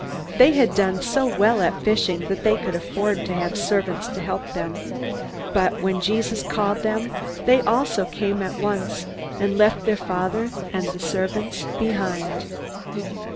They had done so well at fishing that they could afford to have servants to help them. But when Jesus called them they also came at once, and left their father and the servants behind.